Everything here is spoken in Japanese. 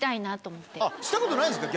したことないですか？